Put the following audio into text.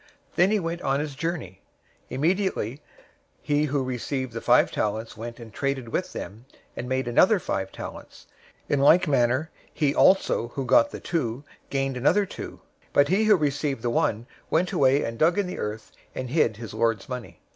Then he went on his journey. 025:016 Immediately he who received the five talents went and traded with them, and made another five talents. 025:017 In like manner he also who got the two gained another two. 025:018 But he who received the one went away and dug in the earth, and hid his lord's money.